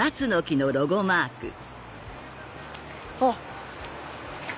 あっ。